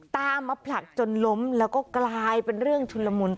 ตามมาผลักจนล้มแล้วก็กลายเป็นเรื่องชุนละมุน